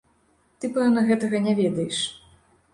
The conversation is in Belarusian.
Ты, пэўна, гэтага не ведаеш.